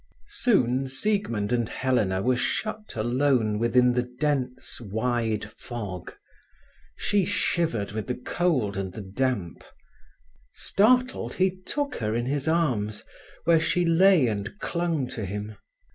Soon Siegmund and Helena were shut alone within the dense wide fog. She shivered with the cold and the damp. Startled, he took her in his arms, where she lay and clung to him.